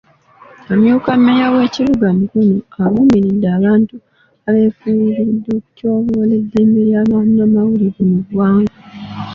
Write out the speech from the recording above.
Amyuka mmeeya w'ekibuga Mukono avumiridde abantu abeefunyiridde okutyoboola eddembe ly'abamawulire mu ggwanga.